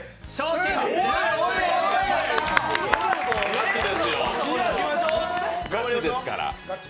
ガチですよ、ガチですから。